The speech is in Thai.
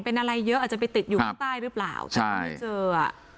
เป็นอะไรเยอะอาจจะไปติดอยู่ข้างใต้หรือเปล่าแต่ก็ไม่เจออ่ะ